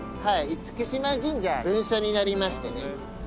厳島神社分社になりましてね。